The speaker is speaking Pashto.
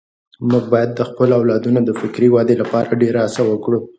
موږ باید د خپلو اولادونو د فکري ودې لپاره ډېره هڅه وکړو.